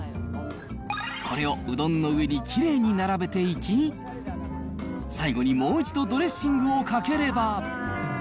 これをうどんの上にきれいに並べていき、最後にもう一度ドレッシングをかければ。